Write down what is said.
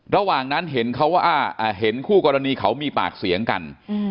ระหว่างนั้นเห็นเขาว่าเห็นคู่กรณีเขามีปากเสียงกัน